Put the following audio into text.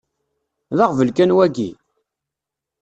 D aɣbel kan waki?